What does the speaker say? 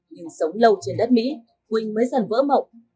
nhưng sống lâu trên đất mỹ quỳnh mới dần vỡ mộng